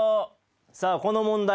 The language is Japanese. さあこの問題